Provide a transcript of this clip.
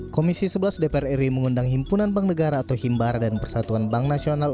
komisi sebelas dpr ri mengundang himpunan bank negara atau himbara dan persatuan bank nasional